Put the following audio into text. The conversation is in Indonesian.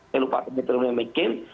saya lupa mitt romney bukan mccain